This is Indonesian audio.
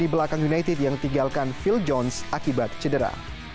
di belakang united yang tinggalkan phil jones akibat cedera